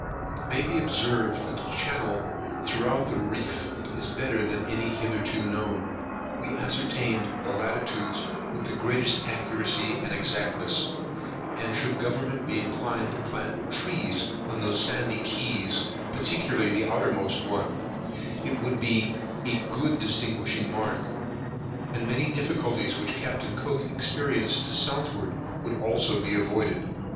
It may be observed, that the channel throughout the reef is better than any hitherto known. We ascertained the latitudes with the greatest accuracy and exactness; and should government be inclined to plant trees on those sandy keys, particularly the outermost one, it would be a good distinguishing mark; and many difficulties which Capt. Cook experienced to the southward would also be avoided.